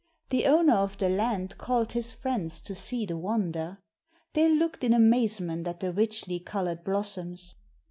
The owner of the land called his friends to see the wonder. They looked in amazement at the richly coloured blossoms.